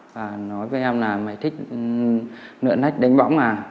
và nói với em là mày thích nượn hách đánh bóng à